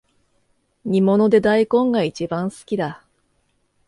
煮物で大根がいちばん好きだ